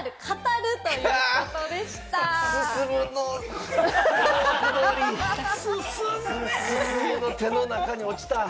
すすむの手の中に落ちた。